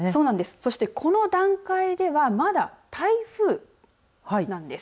そして、この段階ではまだ台風なんです。